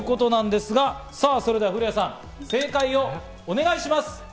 古谷さん、正解をお願いします！